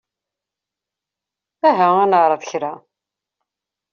Aha ad neɛreḍ kra.